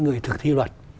người thực thi luật